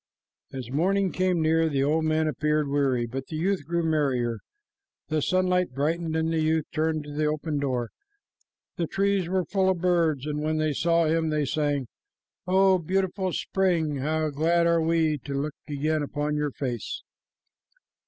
As morning came near, the old man appeared weary, but the youth grew merrier. The sunlight brightened, and the youth turned to the open door. The trees were full of birds, and when they saw him, they sang, "O beautiful spring! glad are we to look again upon your face."